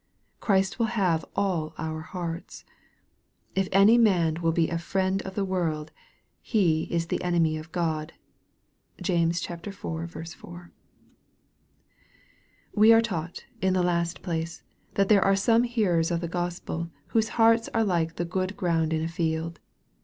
Christ will have all our hearts. " If any man will be a friend of the world, he is the enemy of God." (James iv. 4.) We are taught, in the last place, that there are some hearers of the Gospel, whose hearts are like the good ground in afald.